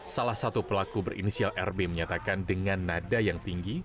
salah satu pelaku berinisial rb menyatakan dengan nada yang tinggi